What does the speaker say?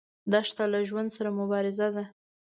دښته له ژوند سره مبارزه ده.